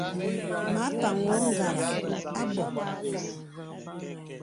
Mə a paŋ wɔ ngàrà à bɔ̄.